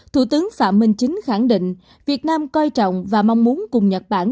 thủ tướng phạm minh chính khẳng định việt nam coi trọng và mong muốn cùng nhật bản